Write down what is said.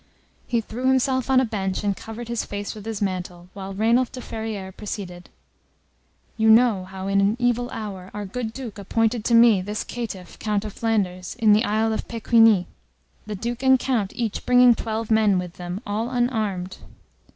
He threw himself on a bench and covered his face with his mantle, while Rainulf de Ferrieres proceeded: "You know how in an evil hour our good Duke appointed to meet this caitiff, Count of Flanders, in the Isle of Pecquigny, the Duke and Count each bringing twelve men with them, all unarmed.